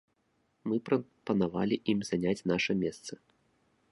Мы прапанавалі ім заняць наша месца.